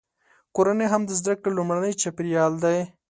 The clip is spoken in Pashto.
کورنۍ هم د زده کړې لومړنی چاپیریال دی.